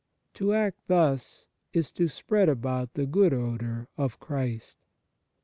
To act thus is to spread about the good odour of Christ.